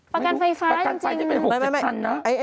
ประกันไฟฟ้าจริง